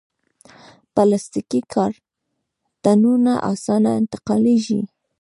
پلاستيکي کارتنونه اسانه انتقالېږي.